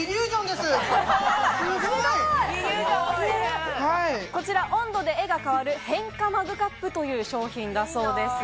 すごい！温度で絵が変わる変化マグカップという商品だそうです。